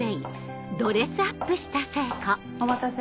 お待たせ。